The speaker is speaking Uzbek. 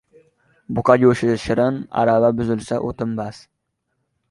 • Buqa o‘lsa ― go‘sht, arava buzilsa ― o‘tin.